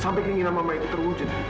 sampai keinginan mama itu terwujud